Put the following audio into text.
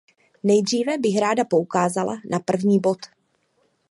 Nejdříve bych ráda poukázala na první bod.